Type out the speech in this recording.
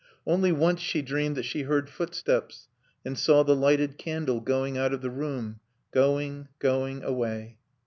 Only once she dreamed that she heard footsteps and saw the lighted candle, going out of the room; going, going away.